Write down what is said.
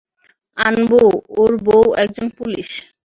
আনবু, ওর বউ একজন পুলিশ?